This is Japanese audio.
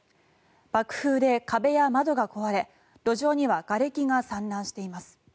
爆風で壁や窓が壊れ、路上にはがれきが散乱しています。